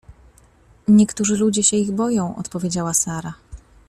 — Niektórzy ludzie się ich boją — odpowiedziała Sara.